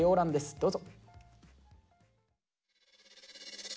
どうぞ。